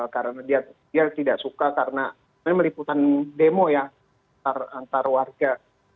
karena dia tidak suka karena ini meliputan demo ya antar warga